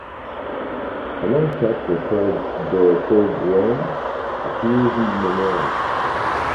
A long chapter called "The Third Rome" appears in the memoir.